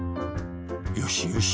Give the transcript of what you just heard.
よしよし。